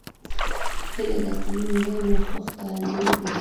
کلي د اقلیمي نظام یو ښه ښکارندوی دی.